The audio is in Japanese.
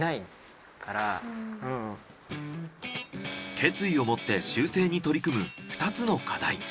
決意を持って修正に取り組む２つの課題。